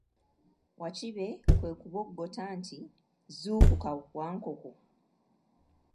Wakibe kwe kuboggoka nti, zuukuka Wankoko!